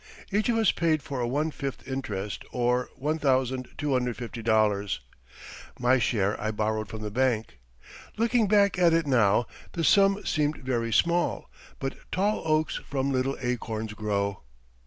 Each of us paid for a one fifth interest, or $1250. My share I borrowed from the bank. Looking back at it now the sum seemed very small, but "tall oaks from little acorns grow."